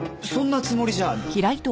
そんなつもりじゃ。